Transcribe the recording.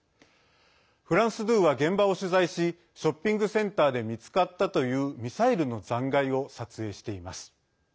フランス２は現場を取材しショッピングセンターで見つかったというミサイルの残骸を撮影しています。